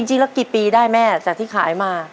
จริงแล้วกี่ปีได้แม่จากที่ขายมา